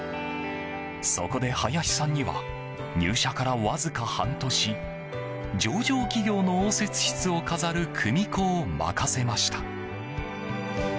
そこで、林さんには入社からわずか半年上場企業の応接室を飾る組子を任せました。